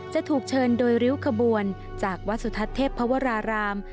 จะถูกเชิญโดยริ้วขบวนจากวัดสุทัศน์เทพภวราราม